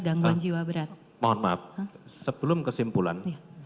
gangguan jiwa berat mohon maaf sebelum kesimpulan